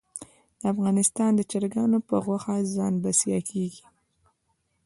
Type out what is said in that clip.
افغانستان د چرګانو په غوښه ځان بسیا کیږي